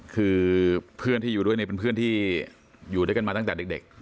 คือเพื่อนที่อยู่ด้วยเนี่ยเป็นเพื่อนที่อยู่ด้วยกันมาตั้งแต่เด็ก